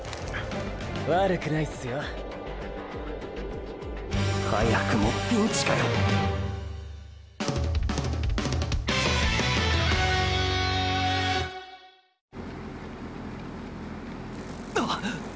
悪くないっすよ。早くもピンチかよッ！